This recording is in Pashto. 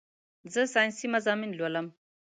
زه سائنسي مضامين لولم